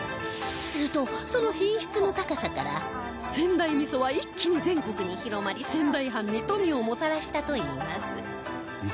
するとその品質の高さから仙台味噌は一気に全国に広まり仙台藩に富をもたらしたといいます